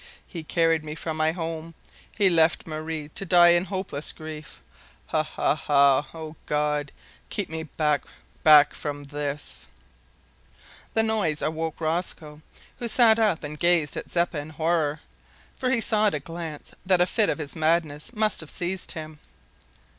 "He carried me from my home! He left Marie to die in hopeless grief! Ha! ha! ha! Oh God! keep me back back from this." The noise awoke Rosco, who sat up and gazed at Zeppa in horror, for he saw at a glance that a fit of his madness must have seized him.